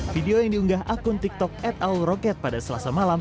video yang diunggah akun tiktok ed al roket pada selasa malam